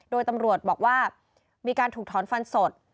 โดยตำรวจบอกว่ามีการถูกถอนฟันสด